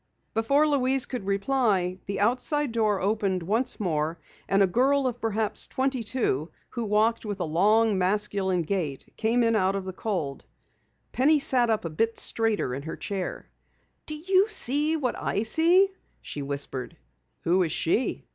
Before Louise could reply the outside door opened once more, and a girl of perhaps twenty two who walked with a long, masculine gait, came in out of the cold. Penny sat up a bit straighter in her chair. "Do you see what I see?" she whispered. "Who is she?"